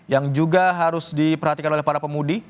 yang juga harus diperhatikan oleh para pemudik